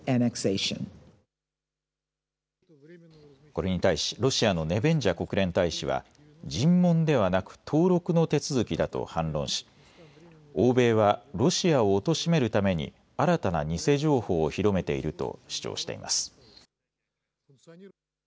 これに対しロシアのネベンジャ国連大使は尋問ではなく登録の手続きだと反論し、欧米はロシアをおとしめるために新たな偽情報を広めていると主張しています。